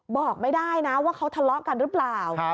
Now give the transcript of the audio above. บอกไม่ได้นะว่าเขาทะเลาะกันหรือเปล่า